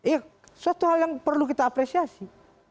ya suatu hal yang perlu kita apresiasi